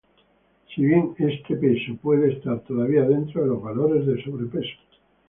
Si bien este peso puede estar todavía dentro de los valores de sobrepeso